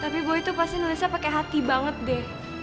tapi boy itu pasti nelesa pake hati banget deh